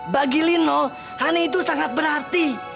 bagi lino hani itu sangat berarti